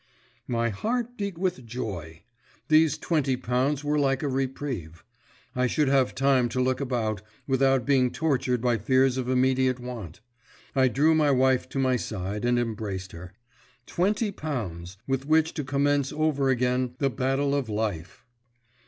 My heart beat with joy; these twenty pounds were like a reprieve. I should have time to look about, without being tortured by fears of immediate want. I drew my wife to my side, and embraced her. Twenty pounds, with which to commence over again the battle of life!